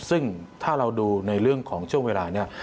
ซึ่งถ้าเราดูในเรื่องของช่วงเวลานี้